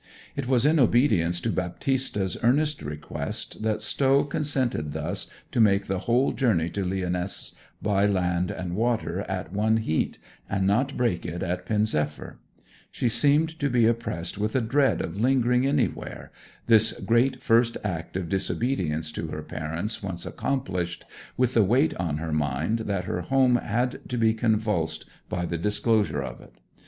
It was in obedience to Baptista's earnest request that Stow consented thus to make the whole journey to Lyonesse by land and water at one heat, and not break it at Pen zephyr; she seemed to be oppressed with a dread of lingering anywhere, this great first act of disobedience to her parents once accomplished, with the weight on her mind that her home had to be convulsed by the disclosure of it.